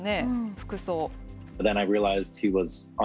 服装。